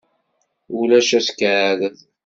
Ulac askeɛrer.